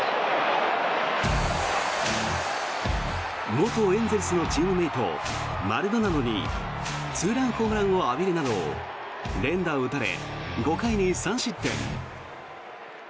元エンゼルスのチームメートマルドナドにツーランホームランを浴びるなど連打を打たれ５回に３失点。